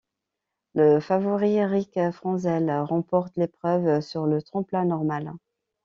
Le favori Eric Frenzel remporte l'épreuve sur le tremplin normal.